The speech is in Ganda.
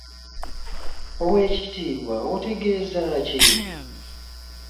Oweekitiibwa otegeeza ki?